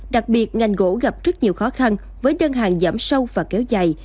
đặc biệt ngành gỗ gặp rất nhiều khó khăn với đơn hàng giảm sâu và kéo dài